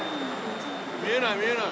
見えない見えない。